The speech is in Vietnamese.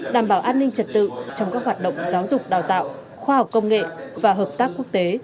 đảm bảo an ninh trật tự trong các hoạt động giáo dục đào tạo khoa học công nghệ và hợp tác quốc tế